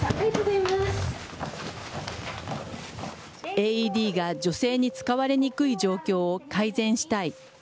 ＡＥＤが女性に使われにくい状況を改善したい。